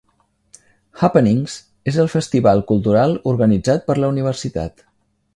"Happenings" és el festival cultural organitzat per la universitat.